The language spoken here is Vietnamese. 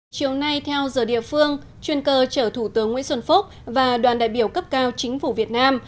chiều nay theo giờ địa phương chuyên cơ chở thủ tướng nguyễn xuân phúc và đoàn đại biểu cấp cao chính phủ việt nam